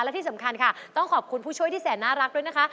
และที่สำคัญค่ะต้องขอบคุณผู้ช่วยที่แสนน่ารักด้วยนะคะ